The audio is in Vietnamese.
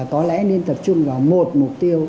có lẽ nên tập trung vào một mục tiêu